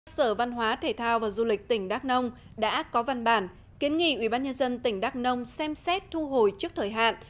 sở văn hóa thể thao và du lịch tỉnh đắk nông đã có văn bản kiến nghị ubnd tỉnh đắk nông xem xét thu hồi trước thời hạn